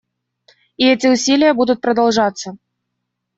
И эти усилия будут продолжаться.